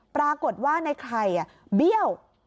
ปรากฏว่าในไข่เบี้ยว